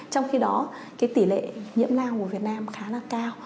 trong khi đó tỷ lệ nhiễm lao của việt nam khá là cao